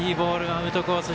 アウトコース